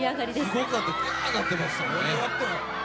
すごかった、にぎわってましたね。